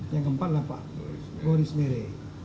yang keempat pak goris mere